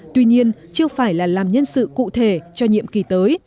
tuy nhiên chưa phải là làm nhân sự cụ thể cho nhiệm kỳ tới